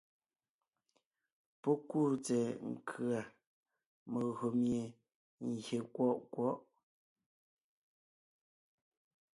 Pɔ́ kúu tsɛ̀ɛ nkʉ̀a megÿò mie gyè kwɔʼ kwɔ̌ʼ.